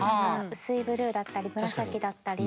薄いブルーだったり紫だったり。